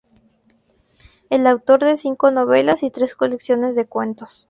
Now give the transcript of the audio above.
Es autor de cinco novelas y tres colecciones de cuentos.